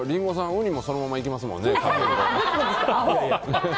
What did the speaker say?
ウニもそのままいきますもんね。